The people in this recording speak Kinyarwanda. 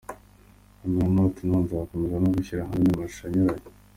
Nyuma ya Not now nzakomeza no gushyira hanze andi mashusho anyuranye.